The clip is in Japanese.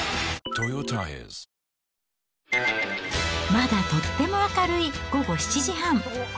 まだとっても明るい午後７時半。